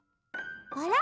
あら？